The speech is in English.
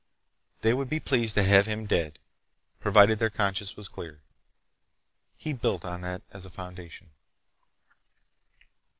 They would be pleased to have him dead, provided their consciences were clear. He built on that as a foundation.